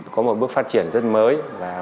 có một bước phát triển rất mới